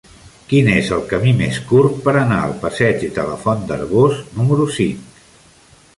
Quin és el camí més curt per anar al passeig de la Font d'Arboç número cinc?